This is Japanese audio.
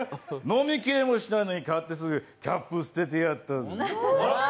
飲みきれもしないのに買ってすぐキャップ捨ててやったぜ。